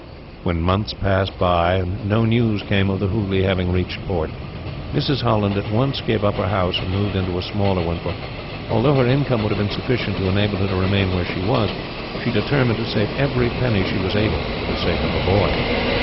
When months passed by, and no news came of the Hooghley having reached port, Mrs. Holland at once gave up her house and moved into a smaller one; for, although her income would have been sufficient to enable her to remain where she was, she determined to save every penny she was able, for the sake of her boy.